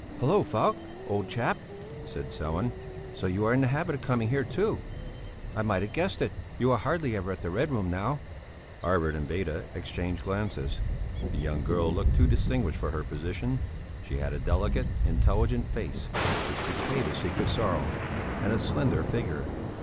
"Hallo! Falk, old chap!" said Sellén. "So you are in the habit of coming here too? I might have guessed it, you are hardly ever at the Red Room now." Arvid and Beda exchanged glances. The young girl looked too distinguished for her position; she had a delicate, intelligent face, which betrayed a secret sorrow; and a slender figure.